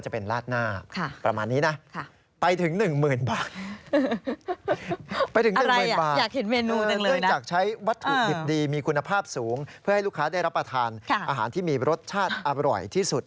เพื่อให้ลูกค้าได้รับประทานอาหารที่มีรสชาติอร่อยที่สุด